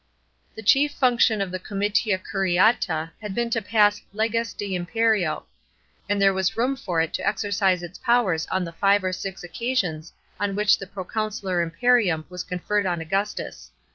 The chief function of the comitia curiata had been to pass leges de imperio; and there was room for it to exercise its powers on the five or six occasions on which the proconsular imperium was conferred on Augustus.